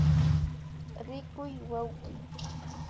Rikuy wawki